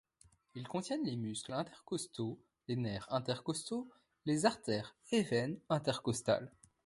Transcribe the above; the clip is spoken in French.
Ils contiennent les muscles intercostaux, les nerfs intercostaux, les artères et veines intercostales.